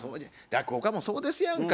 落語家もそうですやんか。